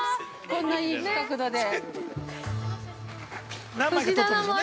こんないい角度で。